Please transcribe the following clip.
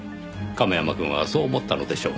亀山くんはそう思ったのでしょうねぇ。